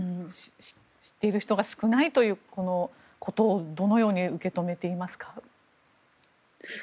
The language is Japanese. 知っている人が少ないということをどのように受け止めていますか？